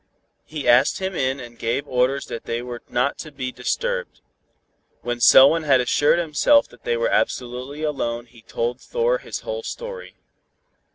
He asked him in and gave orders that they were not to be disturbed. When Selwyn had assured himself that they were absolutely alone he told Thor his whole story.